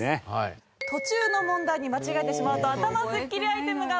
途中の問題に間違えてしまうと頭スッキリアイテムが待っています。